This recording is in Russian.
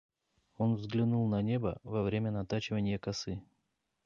Он взглянул на небо во время натачиванья косы.